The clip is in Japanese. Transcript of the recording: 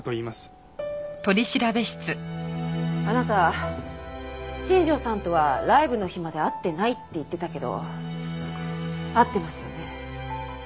あなた新庄さんとはライブの日まで会ってないって言ってたけど会ってますよね？